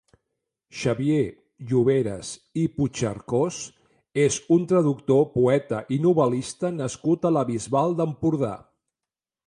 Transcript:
Xavier Lloveras i Puchercós és un traductor, poeta i novel·lista nascut a la Bisbal d'Empordà.